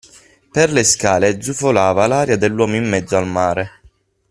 Per le scale zufolava l'aria dell'uomo in mezzo al mare.